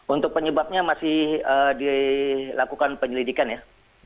untuk penyebabnya masih dilakukan penyelidikan ya